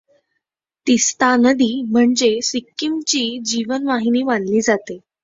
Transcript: तिस्ता नदी म्हणजे सिक्कीमची जीवनवाहिनी मानली जाते.